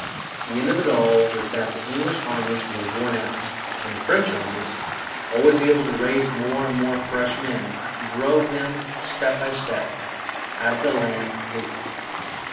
The end of it all was that the English armies were worn out; and the French armies, always able to raise more and more fresh men, drove them, step by step, out of the land completely.